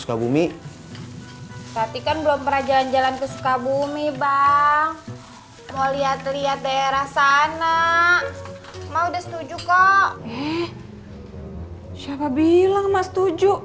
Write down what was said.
sehum bah gt